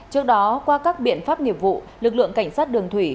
trước đó qua các biện pháp nghiệp vụ lực lượng cảnh sát đường thủy